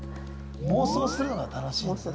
妄想するのが楽しいんですね。